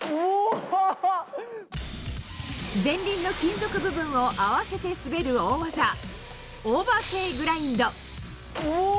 前輪の金属部分を合わせて滑る大技、オーバーＫグラインド。